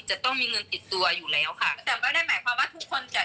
จะต้องมีเงินติดตัวอยู่แล้วค่ะแต่ไม่ได้หมายความว่าทุกคนจะ